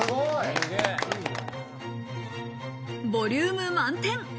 ボリューム満点。